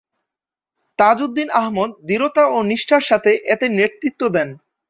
তাজউদ্দীন আহমদ দৃঢ়তা ও নিষ্ঠার সাথে এতে নেতৃত্ব দেন।